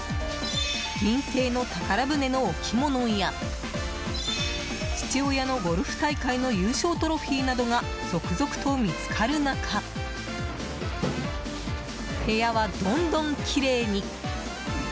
銀製の宝船の置物や父親のゴルフ大会の優勝トロフィーなどが続々と見つかる中部屋は、どんどんきれいに。